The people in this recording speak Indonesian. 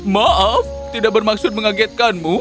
maaf tidak bermaksud mengagetkanmu